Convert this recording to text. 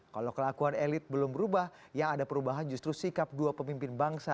kalau kelakuan elit belum berubah yang ada perubahan justru sikap dua pemimpin bangsa